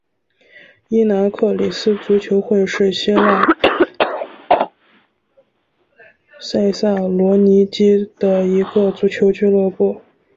伊拿克里斯足球会是希腊塞萨洛尼基的一个足球俱乐部。